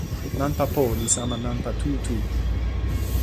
nanpa po li sama nanpa tu tu.